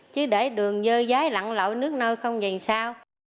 chứ để đường dơ giấy lặn lộ nước nơi không gì sao